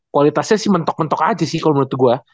kualitasnya sih mentok mentok aja sih kalau menurut gue